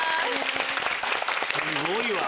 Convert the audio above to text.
すごいわ！